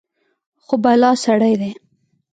خو بلا سړى دى.